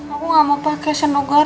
aku gak mau pakai senugelar